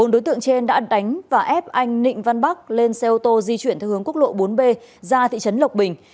bốn đối tượng trên đã đánh và ép anh nịnh văn bắc lên xe ô tô di chuyển theo hướng quốc lộ bốn b ra thị trấn lộc bình